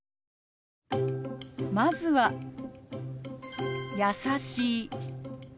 まずは「優しい」。